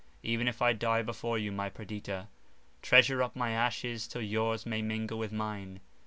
Even if I die before you, my Perdita, treasure up my ashes till yours may mingle with mine.